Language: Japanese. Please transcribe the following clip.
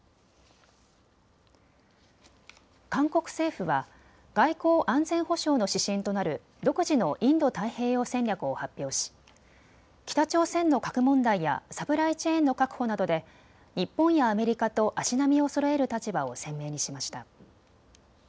韓国政府は外交・安全保障の指針となる独自のインド太平洋戦略を発表し北朝鮮の核問題やサプライチェーンの確保などで日本やアメリカと足並みをそろえる立場を鮮明にしました。